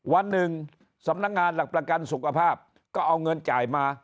วันหนึ่งสำนักงานหลักประกันสุขภาพก็เอาเงินจ่ายมา